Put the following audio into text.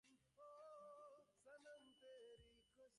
তবে Google glass বাজারে আনার কোনো আনুষ্ঠানিক তারিখ ঘোষণা করেনি গুগল।